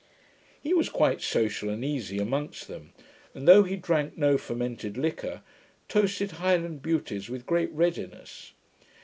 He was quite social and easy amongst them; and, though he drank no fermented liquor, toasted Highland beauties with great readiness.